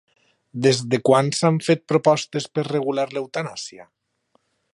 Des de quan s'han fet propostes per regular l'eutanàsia?